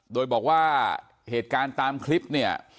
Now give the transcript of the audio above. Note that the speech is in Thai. โดยบอกว่าเหตุการณ์ตามคลิปเนี่ย